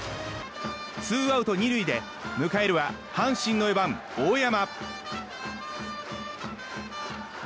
ツーアウト２塁で迎えるは阪神の４番、大山。